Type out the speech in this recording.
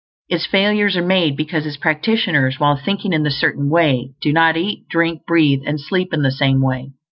Its failures are made because its practitioners, while thinking in the Certain Way, do not eat, drink, breathe, and sleep in the same way.